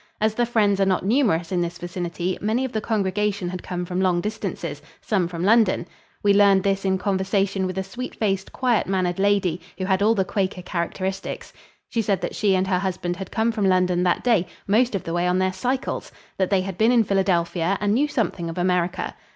As the Friends are not numerous in this vicinity, many of the congregation had come from long distances some from London. We learned this in conversation with a sweet faced, quiet mannered lady who had all the Quaker characteristics. She said that she and her husband had come from London that day, most of the way on their cycles; that they had been in Philadelphia and knew something of America.